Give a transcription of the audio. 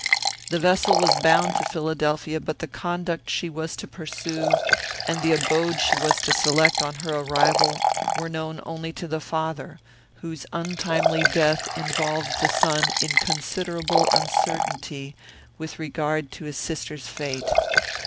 The vessel was bound to Philadelphia; but the conduct she was to pursue, and the abode she was to select, on her arrival, were known only to the father, whose untimely death involved the son in considerable uncertainty with regard to his sister's fate.